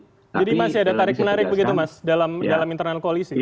jadi masih ada tarik menarik begitu mas dalam internal koalisi